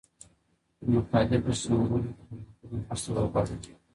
د مقالي په سمولو کي له ملګرو مرسته وغواړه.